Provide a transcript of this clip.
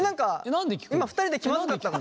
今２人で気まずかったから。